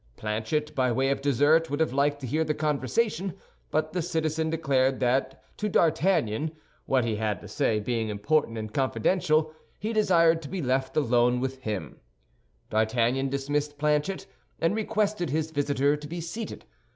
Planchet, by way of dessert, would have liked to hear the conversation; but the citizen declared to D'Artagnan that, what he had to say being important and confidential, he desired to be left alone with him. D'Artagnan dismissed Planchet, and requested his visitor to be seated.